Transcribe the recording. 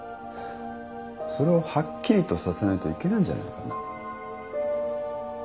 それをはっきりとさせないといけないんじゃないかな。